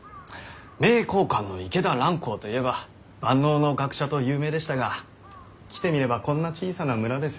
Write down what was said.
名教館の池田蘭光といえば万能の学者と有名でしたが来てみればこんな小さな村ですよ。